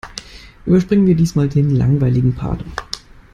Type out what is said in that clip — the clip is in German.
Überspringen wir diesmal den langweiligen Part.